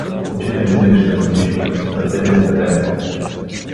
Очите му не виждаха нищо, ръцете му трепереха.